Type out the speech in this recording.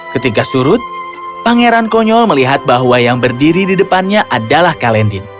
ketika surut pangeran konyol melihat bahwa yang berdiri di depannya adalah kalendin